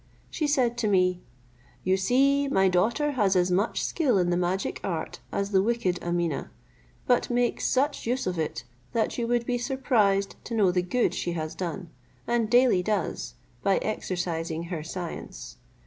She said to me, "You see my daughter has as much skill in the magic art as the wicked Ameeneh; but makes such use of it, that you would be surprised to know the good she has done, and daily does, by exercising her science.